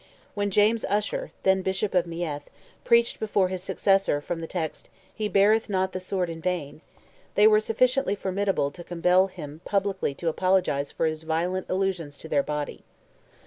When James Usher, then Bishop of Meath, preached before his successor from the text "He beareth not the sword in vain," they were sufficiently formidable to compel him publicly to apologise for his violent allusions to their body.